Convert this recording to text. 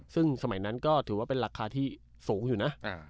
ซึ่งสมัยนั้นก็ถือว่าเป็นราคาที่สูงอยู่นะ